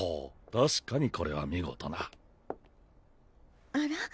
たしかにこれは見事なあら？